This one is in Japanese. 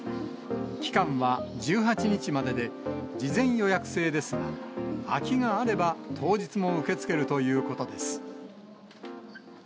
期間は１８日までで、事前予約制ですが、空きがあれば、当日も受け付けるということです。